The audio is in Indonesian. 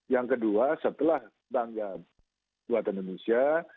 yang kedua setelah bank jabatan indonesia